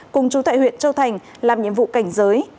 cùng chú tại huyện châu thành làm nhiệm vụ cảnh giới